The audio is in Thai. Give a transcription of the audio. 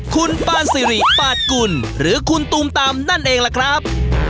คุณปานสิริปาดกุลหรือคุณตูมตามนั่นเองล่ะครับ